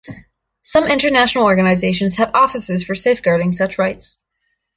Some international organizations have offices for safeguarding such rights.